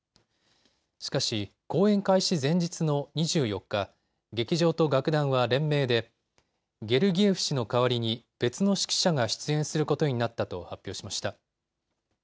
しかし公演開始前日の２４日、劇場と楽団は連名でゲルギエフ氏の代わりに別の指揮者が出演することになったと発表しました。